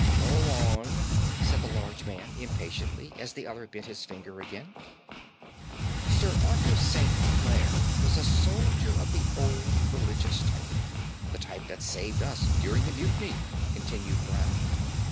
"Go on," said the large man impatiently as the other bit his finger again. "Sir Arthur St. Clare was a soldier of the old religious type the type that saved us during the Mutiny," continued Brown.